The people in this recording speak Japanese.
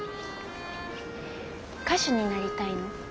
歌手になりたいの？